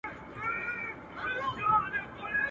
يوه ږغ كړه چي تر ټولو پهلوان يم.